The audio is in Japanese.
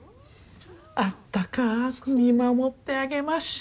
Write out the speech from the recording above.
あったかく見守ってあげましょ。